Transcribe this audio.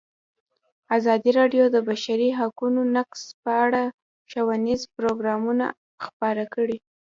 ازادي راډیو د د بشري حقونو نقض په اړه ښوونیز پروګرامونه خپاره کړي.